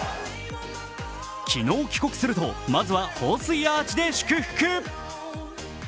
昨日帰国すると、まずは放水アーチで祝福。